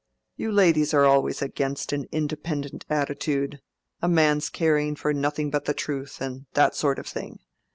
You ladies are always against an independent attitude—a man's caring for nothing but truth, and that sort of thing.